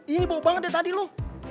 ini bau banget dari tadi loh